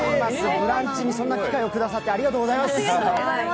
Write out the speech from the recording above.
「ブランチ」にそんな機会をくださってありがとうございます。